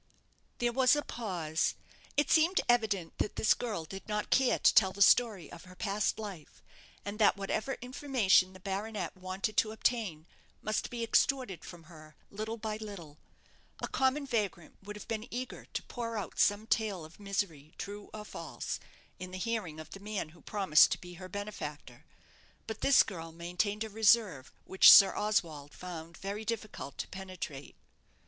There was a pause. It seemed evident that this girl did not care to tell the story of her past life, and that whatever information the baronet wanted to obtain, must be extorted from her little by little. A common vagrant would have been eager to pour out some tale of misery, true or false, in the hearing of the man who promised to be her benefactor; but this girl maintained a reserve which Sir Oswald found it very difficult to penetrate.